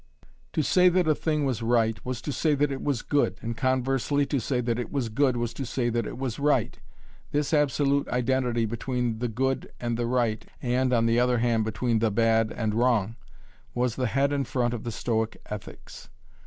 To say that a thing was right was to say that it was good, and conversely to say that it was good was to say that it was right; this absolute identity between the good and the right and, on the other hand, between the bad and wrong, was the head and front of the Stoic ethics.